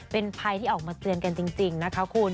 เป็นภัยที่ออกมาเตือนกันจริงนะคะคุณ